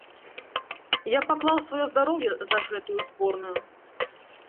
Я паклаў сваё здароўе за гэтую зборную.